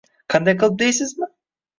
Qanday qilib deysizmi?